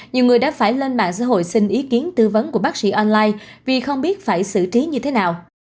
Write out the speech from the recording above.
nhiều người đã phải lên mạng xã hội xin ý kiến tư vấn của bác sĩ online vì không biết phải xử trí như thế nào